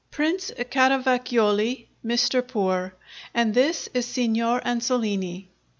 "Prince Caravacioli, Mr. Poor. And this is Signor Ansolini."